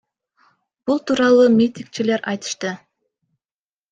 Бул тууралуу митигчилер айтышты.